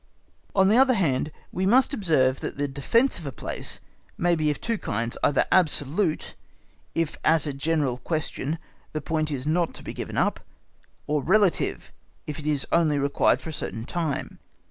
On the other hand we must observe that the defence of a place may be of two kinds, either absolute, if as a general question the point is not to be given up, or relative if it is only required for a certain time.